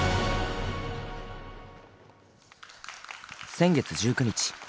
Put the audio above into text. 先月１９日。